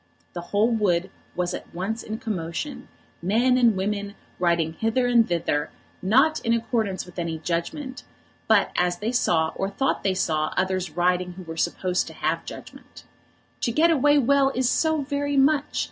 The whole wood was at once in commotion, men and women riding hither and thither, not in accordance with any judgment; but as they saw or thought they saw others riding who were supposed to have judgment. To get away well is so very much!